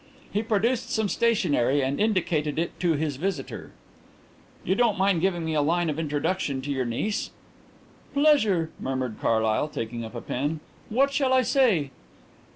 He produced some stationery and indicated it to his visitor. "You don't mind giving me a line of introduction to your niece?" "Pleasure," murmured Carlyle, taking up a pen. "What shall I say?"